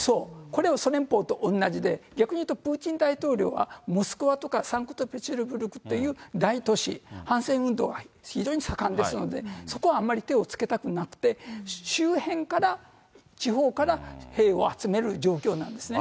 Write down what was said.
これはソ連邦とおんなじで、逆に言うとプーチン大統領はモスクワとかサンクトペテルブルクという大都市、反戦運動が非常に盛んですので、そこはあんまり手をつけたくなくて、周辺から、地方から兵を集める状況なんですね。